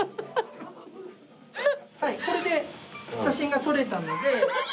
はいこれで写真が撮れたので。